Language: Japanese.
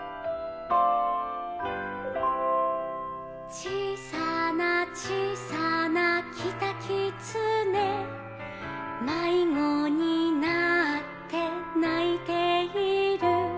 「ちいさなちいさなキタキツネ」「まいごになってないている」